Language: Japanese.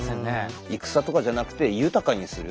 戦とかじゃなくて豊かにする。